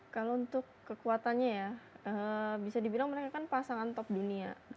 kalau untuk kekuatannya ya bisa dibilang mereka kan pasangan top dunia